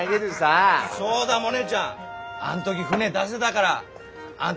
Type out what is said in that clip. そうだモネちゃんあん時船出せだがらあんだ